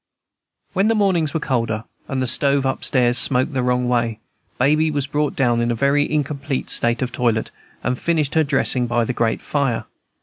When the mornings were colder, and the stove up stairs smoked the wrong way, Baby was brought down in a very incomplete state of toilet, and finished her dressing by the great fire.